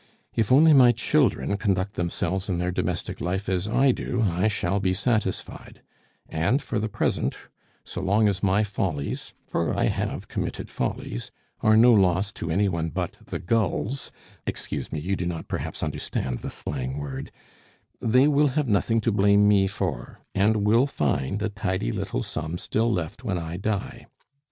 If only my children conduct themselves in their domestic life as I do, I shall be satisfied; and for the present, so long as my follies for I have committed follies are no loss to any one but the gulls excuse me, you do not perhaps understand the slang word they will have nothing to blame me for, and will find a tidy little sum still left when I die.